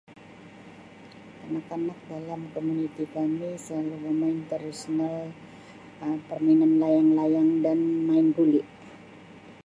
Kanak-kanak dalam komuniti kami selalu bermain tradisyenel Um permainan layang-layang dan main guli.